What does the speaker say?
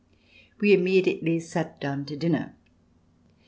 We immediately sat down to dinner.